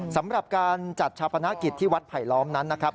สำหรับการจัดชาปนกิจที่วัดไผลล้อมนั้นนะครับ